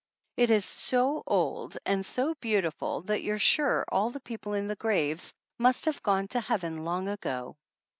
It is so old and so beautiful that you're sure all the people in the graves must have gone to Heaven long ago.